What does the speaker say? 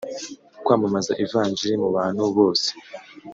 kwamamaza Ivanjili mu bantu bose